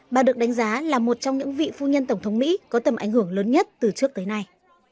bà được đánh giá là một trong những vị phu nhân tổng thống mỹ có tầm ảnh hưởng lớn nhất từ trước tới nay